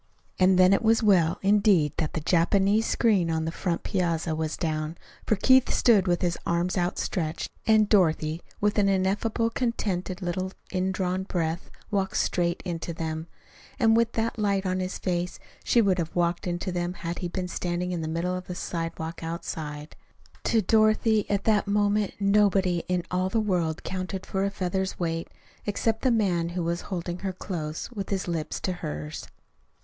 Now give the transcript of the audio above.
And then it was well, indeed, that the Japanese screen on the front piazza was down, for Keith stood with his arms outstretched, and Dorothy, with an ineffably contented little indrawn breath, walked straight into them. And with that light on his face, she would have walked into them had he been standing in the middle of the sidewalk outside. [Illustration: IT WAS WELL THAT THE JAPANESE SCREEN ON THE FRONT PIAZZA WAS DOWN] To Dorothy at that moment nobody in all the world counted for a feather's weight except the man who was holding her close, with his lips to hers.